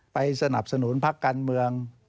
สนับสนุนพักการเมือง